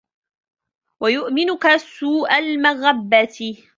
وَيُؤْمِنُك سُوءَ الْمَغَبَّةِ